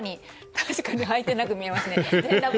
確かにはいてなく見えますね。